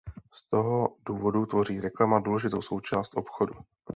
Z toho důvodu tvoří reklama důležitou součást obchodu.